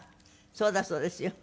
そうだそうですよ。